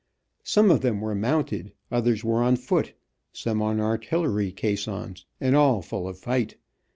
Some of them were mounted, others were on foot, some on artillery caissons, and all full of fight.